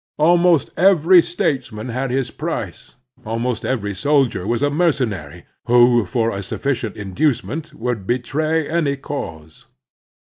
Almost every statesman had his price, ahnost every soldier was a mercenary who, for a sufficient inducement, would betray any cause.